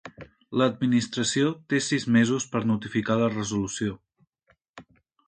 L'Administració té sis mesos per notificar la resolució.